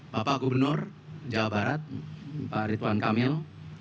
bapak gubernur jawa barat pak ridwan kamil